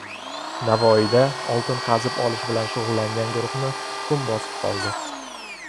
Navoiyda oltin qazib olish bilan shug‘ullangan guruhni qum bosib qoldi